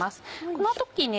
この時ね